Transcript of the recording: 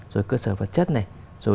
rồi cơ sở vật chất này